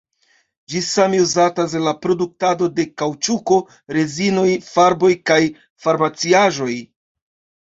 Ĝi same uzatas en la produktado de kaŭĉuko, rezinoj, farboj kaj farmaciaĵoj.